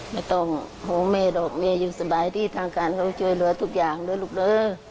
ไม่ต้องห่วงแม่หรอกแม่อยู่สบายดีทางการเขาช่วยเหลือทุกอย่างด้วยลูกเด้อ